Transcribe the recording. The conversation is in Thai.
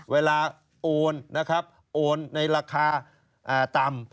โอนนะครับโอนในราคาต่ำ